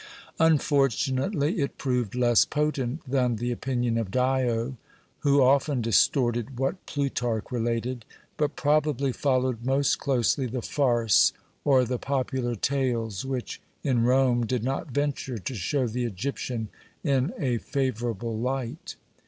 Unfortunately it proved less potent than the opinion of Dio, who often distorted what Plutarch related, but probably followed most closely the farce or the popular tales which, in Rome, did not venture to show the Egyptian in a favourable light.